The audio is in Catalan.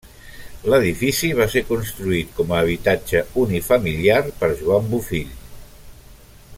L'edifici va ser construït com a habitatge unifamiliar per Joan Bofill.